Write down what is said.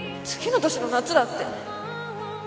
次の年の夏だって